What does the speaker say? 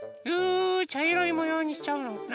ちゃいろいもようにしちゃおうかな。